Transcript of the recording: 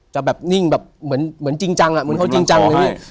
จะแบบนิ่งแบบเหมือนจริงจังอ่ะเหมือนเขาจริงจังเลยพี่